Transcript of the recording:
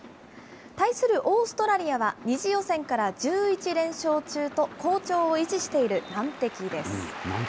対するオーストラリアは、２次予選から１１連勝中と好調を維持している難敵です。